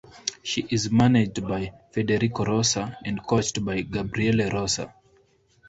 She is managed by Federico Rosa and coached by Gabriele Rosa.